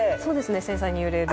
繊細に揺れる。